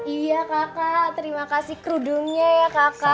iya kakak terima kasih kerudungnya ya kakak